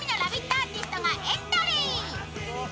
アーティストがエントリー。